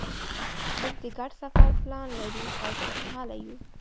مونږ د ګډ سفر پلان لرو او خوشحاله یو